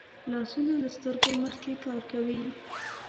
لاسونه له سترګو مخکې کار کوي